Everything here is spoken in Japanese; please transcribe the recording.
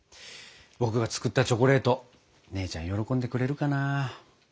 僕が作ったチョコレート姉ちゃん喜んでくれるかな。